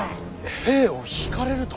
兵を引かれると。